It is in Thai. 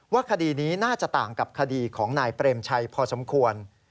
คดีนี้น่าจะต่างกับคดีของนายเปรมชัยพอสมควร